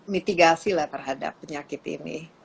mitigasi lah terhadap penyakit ini